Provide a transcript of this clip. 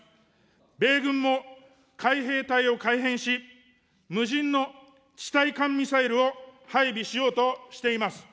米軍も海兵隊を改編し、無人の地対艦ミサイルを配備しようとしています。